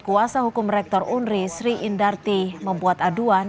kuasa hukum rektor unri sri indarti membuat aduan